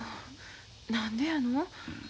何でやの？